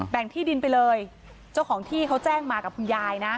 งที่ดินไปเลยเจ้าของที่เขาแจ้งมากับคุณยายนะ